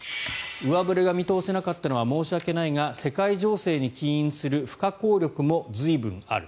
上振れが見通せなかったのは申し訳ないが世界情勢に起因する不可抗力も随分ある。